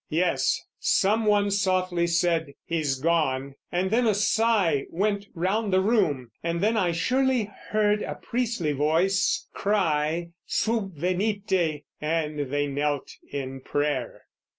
Yes, some one softly said, "He's gone," and then a sigh went round the room; And then I surely heard a priestly voice Cry Subvenite; and they knelt in prayer.